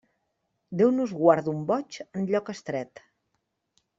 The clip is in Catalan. Déu nos guard d'un boig en lloc estret.